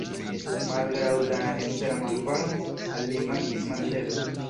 Malgraŭ la ekstera malvarmo al li mankis mantelo.